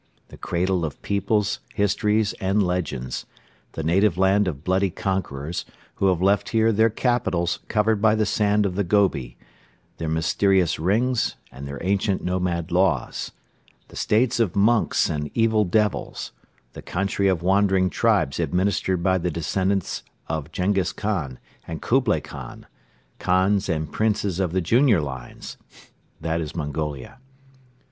The cradle of peoples, histories and legends; the native land of bloody conquerors, who have left here their capitals covered by the sand of the Gobi, their mysterious rings and their ancient nomad laws; the states of monks and evil devils, the country of wandering tribes administered by the descendants of Jenghiz Khan and Kublai Khan Khans and Princes of the Junior lines: that is Mongolia.